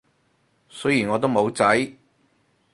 雖然我都冇仔